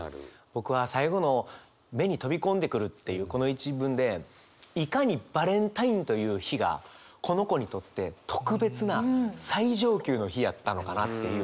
僕は最後の「目に飛び込んでくる」っていうこの一文でいかにバレンタインという日がこの子にとって特別な最上級の日やったのかなっていう。